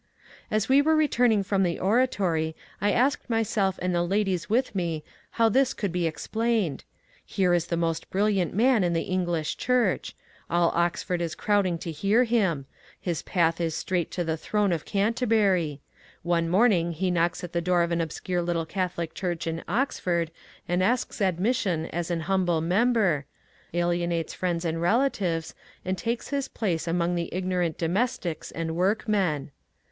As we were returning from the oratory I asked myself and the ladies with me how this could be explained : here is the most brilliant man in the English Church ; all Oxford is crowding to hear him ; his path is straight to the throne of Canterbury ; one morning he knocks at the door of an obscure little Catholic church in Oxford and asks admission as an humble member, alienates friends and relatives, and takes his place among the ignorant domestics and workmen.